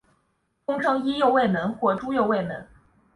通称伊又卫门或猪右卫门。